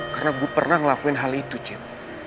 karena gue pernah ngelakuin hal itu cid